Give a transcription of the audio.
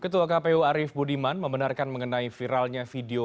ketua kpu arief budiman membenarkan mengenai viralnya video